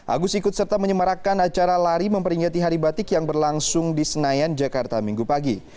agus ikut serta menyemarakan acara lari memperingati hari batik yang berlangsung di senayan jakarta minggu pagi